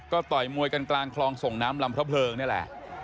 ก็ต่อยมวยกันกลางคลองส่งน้ำลำพระเพลิงนี่แหละ